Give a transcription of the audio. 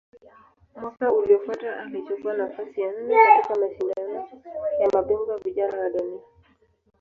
Mwaka uliofuata alichukua nafasi ya nne katika Mashindano ya Mabingwa Vijana wa Dunia.